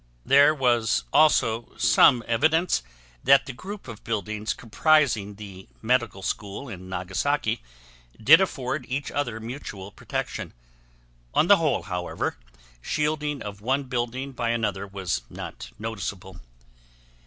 There was also some evidence that the group of buildings comprising the Medical School in Nagasaki did afford each other mutual protection. On the whole, however, shielding of one building by another was not noticeable.